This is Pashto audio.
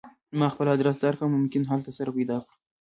ما خپل ادرس درکړ ممکن هلته سره پیدا کړو